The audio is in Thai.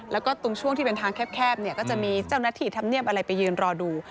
แล้วก็ตรงช่วงที่เป็นทางแคบก็จะมีเจ้าหน้าที่ธรรมเนียบอะไรไปยืนรอดู